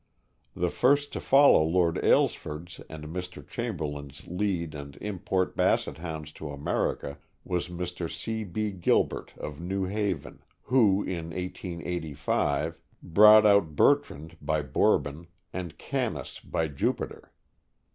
" The first to follow Lord Aylesford' s and Mr. Chamber lain' s lead and import Basset Hounds to America, was Mr. C. B. Gilbert, of New Haven, who. in 1885, brought out Ber trand, by Bourbon, and Canace, by Jupiter.